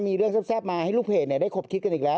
มีเรื่องแซ่บมาให้ลูกเพจได้คบคิดกันอีกแล้ว